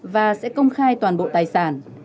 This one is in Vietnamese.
và sẽ công khai toàn bộ tài sản